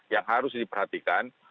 yang harus diperhatikan